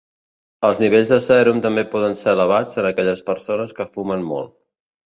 Els nivells de sèrum també poden ser elevats en aquelles persones que fumen molt.